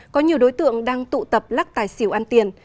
có nhiều đối tượng đang tụ tập lắc tài xỉu ăn tiền